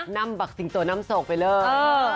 นั่มบักสิงโจนั่มโศกไปเลย